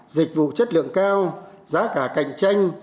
dịch vụ chất lượng cao giá cả cạnh tranh